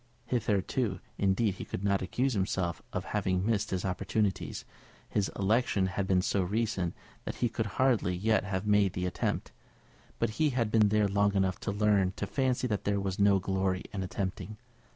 Hitherto, indeed, he could not accuse himself of having missed his opportunities; his election had been so recent that he could hardly yet have made the attempt. But he had been there long enough to learn to fancy that there was no glory in attempting.